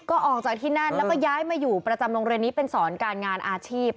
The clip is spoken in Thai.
ก็ออกจากที่นั่นแล้วก็ย้ายมาอยู่ประจำโรงเรียนนี้เป็นสอนการงานอาชีพ